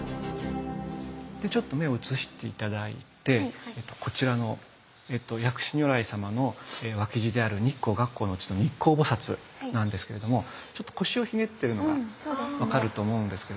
ちょっと目を移して頂いてこちらの薬師如来様の脇侍である日光月光のうちの日光菩なんですけれどもちょっと腰をひねってるのが分かると思うんですけれども。